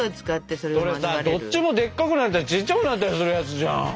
それどっちもでっかくなったりちっちゃくなったりするやつじゃん！